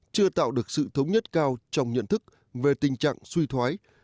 chưa tạo được sự thống nhất cao trong nhận thức về tình trạng suy thoái